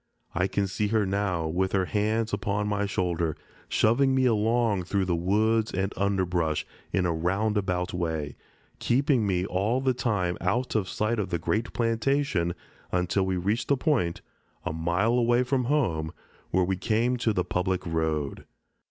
I can see her now with her hands upon my shoulder, shoving me along through the woods and underbrush, in a roundabout way, keeping me all the time out of sight of the great plantation until we reached the point, a mile away from home, where we came to the public road.